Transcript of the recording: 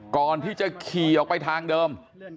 ก่อนที่จะขี่ออกไปทางเดิม